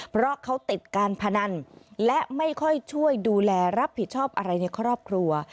เพราะเขาติดการพนันและไม่ค่อยช่วยดูแลรับผิดชอบอะไรในครอบครัว